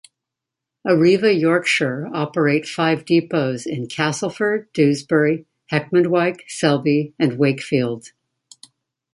Arriva Yorkshire operate five depots in Castleford, Dewsbury, Heckmondwike, Selby and Wakefield.